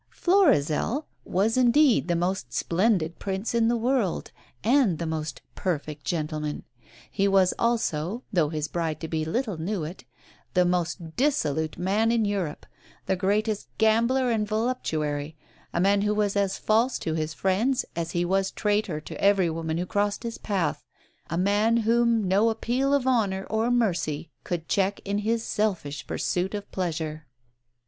"Florizel" was indeed the most splendid Prince in the world, and the most "perfect gentleman." He was also, though his bride to be little knew it, the most dissolute man in Europe, the greatest gambler and voluptuary a man who was as false to his friends as he was traitor to every woman who crossed his path, a man whom no appeal of honour or mercy could check in his selfish pursuit of pleasure.